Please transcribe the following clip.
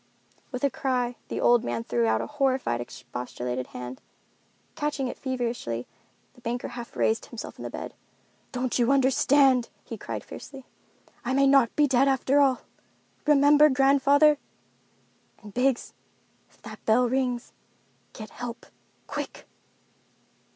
With a cry, the old man threw out a horrified, expostulating hand. Catching it feverishly, the banker half raised himself in bed. "Don't you understand?" he cried fiercely. "I may not be dead after all. Remember grandfather! And Biggs—if that bell rings, get help—quick!"